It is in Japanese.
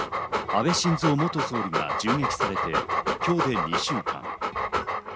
安倍晋三元総理が銃撃されて今日で２週間。